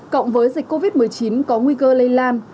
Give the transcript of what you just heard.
cộng với dịch covid một mươi chín có nguy cơ lây lan